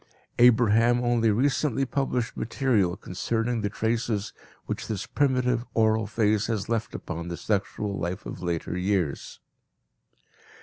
Abraham only recently published material concerning the traces which this primitive oral phase has left upon the sexual life of later years.